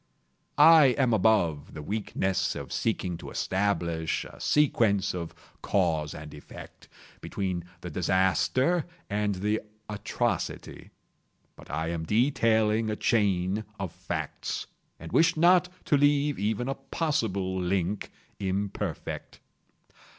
I am above the weakness of seeking to establish a sequence of cause and effect, between the disaster and the atrocity. But I am detailing a chain of facts—and wish not to leave even a possible link imperfect.